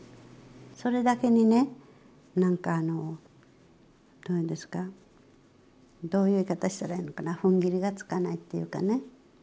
それだけにね何かあのどういう言い方したらいいのかなふんぎりがつかないというかね